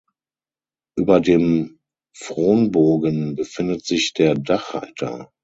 Über dem Fronbogen befindet sich der Dachreiter.